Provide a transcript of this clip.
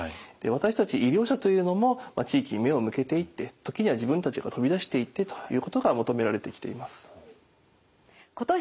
私たち医療者というのも地域に目を向けていって時には自分たちが飛び出していってということが求められてきています。